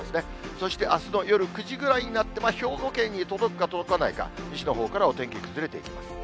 そしてあすの夜９時ぐらいになって、兵庫県に届くか届かないか、西のほうからお天気崩れていきます。